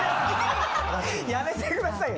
やめてくださいよ。